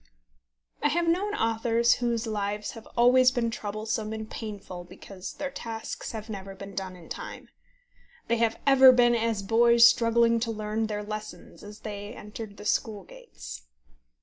I have known authors whose lives have always been troublesome and painful because their tasks have never been done in time. They have ever been as boys struggling to learn their lesson as they entered the school gates.